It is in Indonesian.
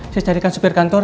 saya carikan sopir kantor